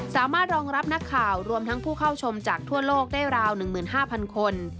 สามารถรองรับนักข่าวรวมทั้งผู้เข้าชมจากทั่วโลกได้ราว๑๕๐๐คน